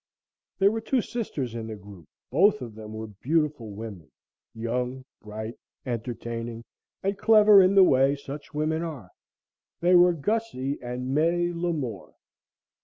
There were two sisters in the group. Both of them were beautiful women, young, bright, entertaining and clever in the way such women are. They were Gussie and May Lamore.